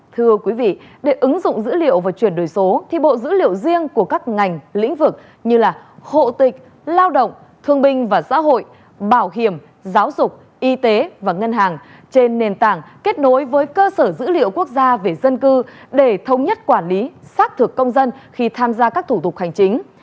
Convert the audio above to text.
thưa quý vị để ứng dụng dữ liệu và chuyển đổi số thì bộ dữ liệu riêng của các ngành lĩnh vực như là hộ tịch lao động thương binh và xã hội bảo hiểm giáo dục y tế và ngân hàng trên nền tảng kết nối với cơ sở dữ liệu quốc gia về dân cư để thống nhất quản lý xác thực công dân khi tham gia các thủ tục hành chính